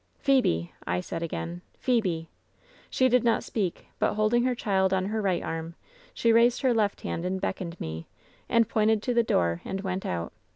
" Thebe !' I said again— Thebe !' She did not speak, but holding her child on her right arm, she raised her left hand and beckoned me, and pointed to the door, and went out.